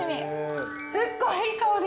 すっごいいい香り。